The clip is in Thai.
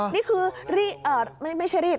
นี่คือรีดไม่ใช่รีด